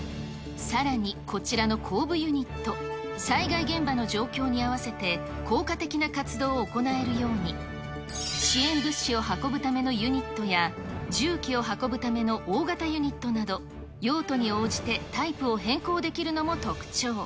さらに、こちらの後部ユニット、災害現場の状況に合わせて、効果的な活動を行えるように、支援物資を運ぶためのユニットや、重機を運ぶための大型ユニットなど、用途に応じてタイプを変更できるのも特徴。